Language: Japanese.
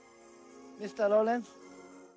ミスターローレンス。